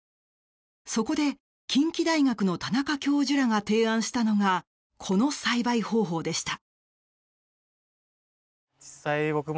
そこで、近畿大学の田中教授らが提案したのがこの栽培方法でした。